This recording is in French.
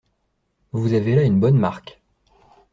Vous avez là une bonne marque.